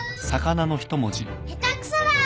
下手くそだ！